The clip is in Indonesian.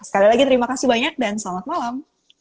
sekali lagi terima kasih banyak dan selamat malam